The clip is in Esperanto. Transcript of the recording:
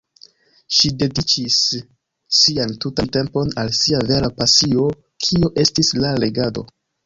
Ŝi dediĉis sian tutan tempon al sia vera pasio kio estis la legado.